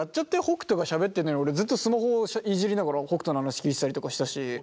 北斗がしゃべってんのに俺ずっとスマホいじりながら北斗の話聞いてたりとかしたし。